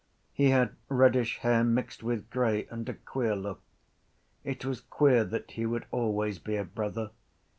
He had reddish hair mixed with grey and a queer look. It was queer that he would always be a brother.